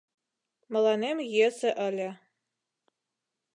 Мыланем йӧсӧ ыле.